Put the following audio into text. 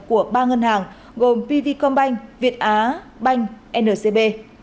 của ba ngân hàng gồm pv combine việt á banh ncb